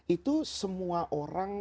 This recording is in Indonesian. itu semua orang